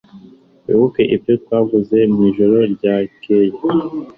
Wibuke ibyo twavuze mwijoro ryakeye?